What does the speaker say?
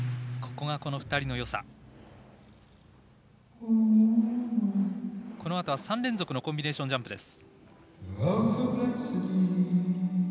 このあとは３連続のコンビネーションジャンプです。